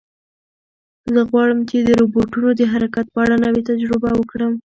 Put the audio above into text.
زه غواړم چې د روبوټونو د حرکت په اړه نوې تجربه وکړم.